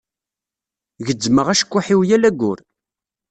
Gezzmeɣ acekkuḥ-iw yal ayyur.